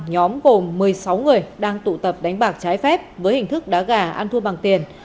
nhóm gồm một mươi sáu người đang tụ tập đánh bạc trái phép với hình thức đá gà ăn thua bằng tiền